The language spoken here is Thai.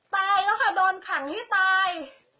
ตายแล้วค่ะโดนขังให้ตาย